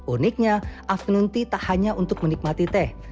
uniknya afternoon tea tak hanya untuk menikmati teh